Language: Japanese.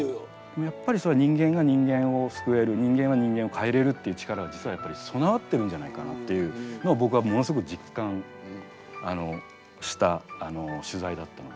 やっぱりそれは人間が人間を救える人間は人間を変えれるっていう力が実はやっぱり備わってるんじゃないかなっていうのを僕はものすごく実感した取材だったので。